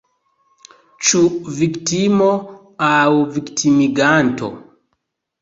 Ĉu viktimo – aŭ viktimiganto?